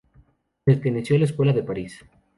Perteneció a la Escuela de París.